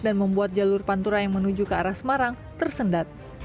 dan membuat jalur pantura yang menuju ke arah semarang tersendat